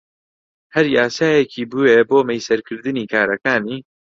هەر یاسایەکی بوێ بۆ مەیسەرکردنی کارەکانی